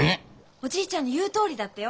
おじいちゃんの言うとおりだったよ。